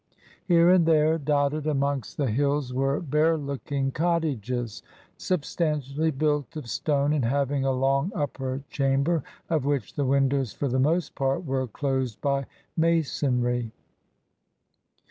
Here and there dotted amongst the \ TRANSITION. 39 hills were bare looking cottages substantially built of stone and having a long upper chamber, of which the windows for the most part were closed by masonry.